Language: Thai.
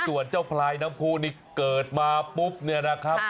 ส่วนเจ้าพลายน้ำพูนี่เกิดมาปุ๊บเนี่ยนะครับ